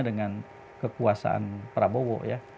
dengan kekuasaan prabowo ya